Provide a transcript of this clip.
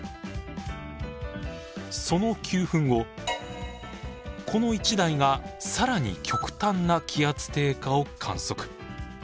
その９分後この１台が更に極端な気圧低下を観測。